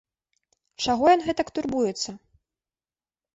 Чаго ён гэтак турбуецца?